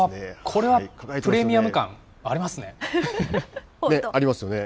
これはプレミアム感ありますね。